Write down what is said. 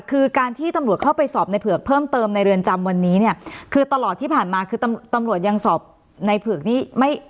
คือการที่ตำรวจเข้าไปสอบในเผือกเพิ่มเติมในเรือนจำวันนี้เนี่ยคือตลอดที่ผ่านมาคือตำรวจยังสอบในเผือกนี้ไม่